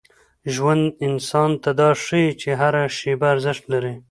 ژوند انسان ته دا ښيي چي هره شېبه ارزښت لري.